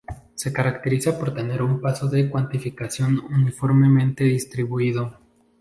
Se caracteriza por tener un paso de cuantificación uniformemente distribuido.